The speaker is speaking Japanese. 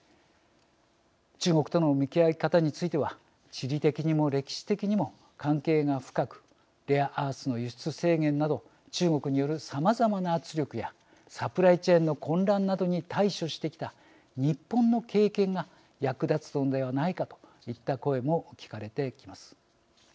中国との向き合い方については地理的にも歴史的にも関係が深くレアアースの輸出制限など中国によるさまざまな圧力やサプライチェーンの混乱などに対処してきた日本の経験が役立つのではないかといった声も聞かれてきます。